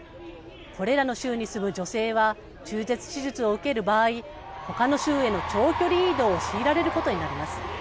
これらの州に住む女性は、中絶手術を受ける場合、ほかの州への長距離移動を強いられることになります。